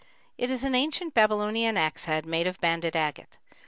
It is an ancient Babylonian axe head made of banded agate.